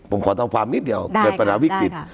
ผมขอทำความนิดเดียวเกิดปัญหาวิกฤต